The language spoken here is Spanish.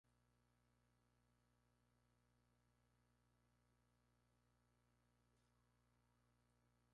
El agua que rodea la estación era perfecta para la elaboración de whisky.